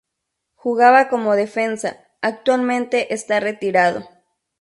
Jugaba como Defensa, actualmente está retirado.